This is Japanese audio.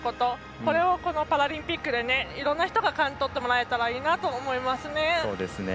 これを、このパラリンピックでいろんな人に感じ取ってもらえたらいいなと思います。